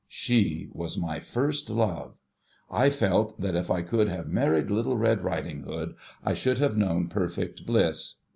She was my first love. I felt that ENCHANTMENT 7 if I could have married Little Red Riding Hood, I should have known perfect bliss.